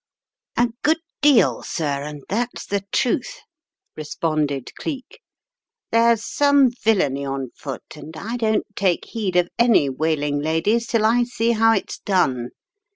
" "A good deal, sir, and that's the truth," responded Cleek. "There's some villainy on foot and I don't take heed of any wailing ladies till I see how it's done.